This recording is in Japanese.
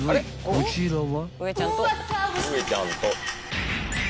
［こちらは？］